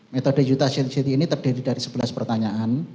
metode yutah yaciti ini terdiri dari sebelas pertanyaan